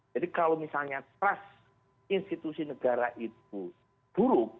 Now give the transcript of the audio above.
jadi kalau misalnya trust institusi negara itu buruk